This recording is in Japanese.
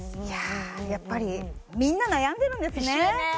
やっぱりみんな悩んでるんですね一緒やね！